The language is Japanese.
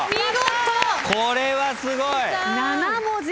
これはすごい！